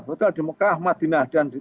hotel di mekah madinah dan di tepung